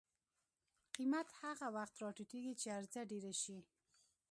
قیمت هغه وخت راټیټي چې عرضه ډېره شي.